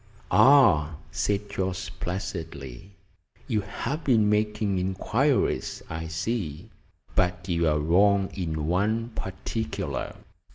"Ah!" said Jorce placidly, "you have been making inquiries, I see. But you are wrong in one particular.